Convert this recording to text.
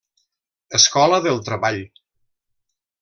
Escola del Treball.